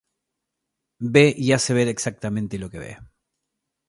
Ve, y hace ver exactamente lo que ve.